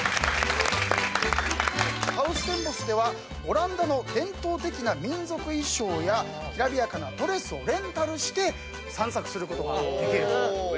ハウステンボスではオランダの伝統的な民族衣装やきらびやかなドレスをレンタルして散策することができると。